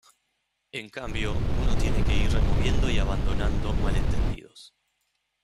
En cambio uno tiene que ir removiendo y abandonando malentendidos.